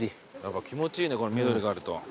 気持ちいいね緑があると。